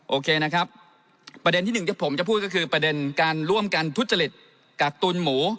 โอเคนะครับประเด็นที่หนึ่งที่ผมจะพูดก็คือประเด็นการร่วมกันทุจริตกักตุนหมู